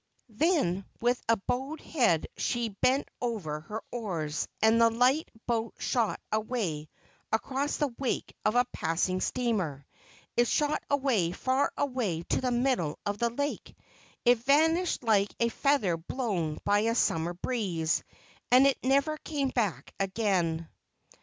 Then with bowed head she bent over her oars, and the light boat shot away across the wake of a passing steamer ; it shot away, far away to the middle of the lake ; it vanished like a feather blown by a summer breeze ; and it never came back again.